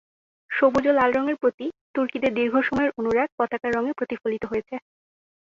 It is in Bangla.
সবুজ ও লাল রঙের প্রতি তুর্কিদের দীর্ঘ সময়ের অনুরাগ পতাকার রঙে প্রতিফলিত হয়েছে।